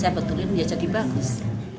saya betulin ya jadi bagus